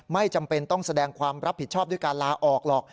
ไม่จำเป็นต้องแสดงความรับผิดชอบด้วยการลาออกหรอก